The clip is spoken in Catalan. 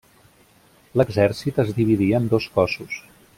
L'exèrcit es dividí en dos cossos.